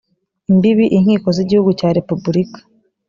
imbibi inkiko z igihugu cya repubulika